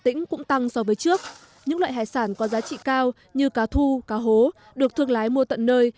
tỉnh cũng tăng so với trước những loại hải sản có giá trị cao như cá thu cá hố được thương lái mua tận nơi